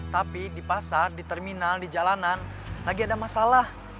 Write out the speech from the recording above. tapi di pasar di terminal di jalanan lagi ada masalah